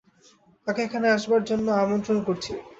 তাকে এখানে আসবার জন্য আমন্ত্রণ করছি।